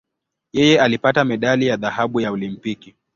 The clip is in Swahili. Yeye alipata medali ya dhahabu ya Olimpiki.